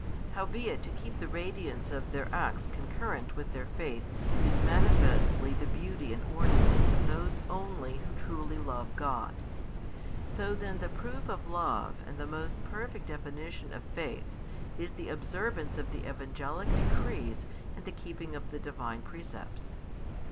Howbeit to keep the radiance of their acts concurrent with their faith is manifestly the beauty and ornament of those only who truly love God. So then the proof of love and the most perfect definition of faith is the observance of the Evangelic decrees and the keeping of the Divine precepts.